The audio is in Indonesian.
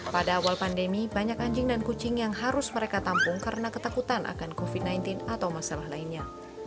pada awal pandemi banyak anjing dan kucing yang harus mereka tampung karena ketakutan akan covid sembilan belas atau masalah lainnya